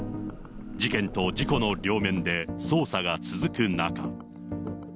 事件と事故の両面で捜査が続く中。